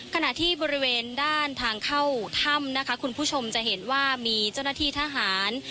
ขณะที่บริเวณด้านทางเข้าถ้ำนะคะคุณผู้ชมจะเห็นว่ามีเจ้าหน้าที่ทหาร